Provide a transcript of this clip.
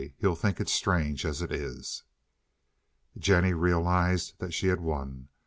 He'll think it's strange as it is." Jennie realized that she had won.